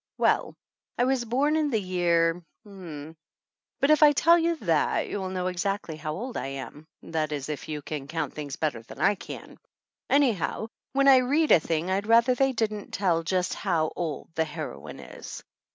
Well, I was born in the year but if I tell that you will know exactly how old I am, that is if you can count things better than I can. Any how, when I read a thing I'd rather they didn't tell just how old the heroine is.